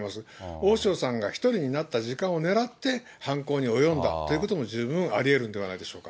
大塩さんが１人になった時間を狙って、犯行に及んだということも十分ありえるんではないでしょうか。